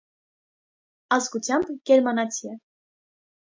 Ազգությամբ գերմանացի է։